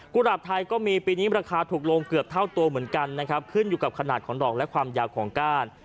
หราบไทยก็มีปีนี้ราคาถูกลงเกือบเท่าตัวเหมือนกันนะครับขึ้นอยู่กับขนาดของดอกและความยาวของก้าน